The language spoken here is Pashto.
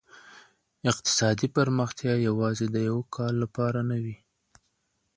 اقتصادي پرمختيا يوازي د يوه کال لپاره نه وي.